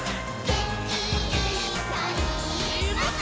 「げんきいっぱいもっと」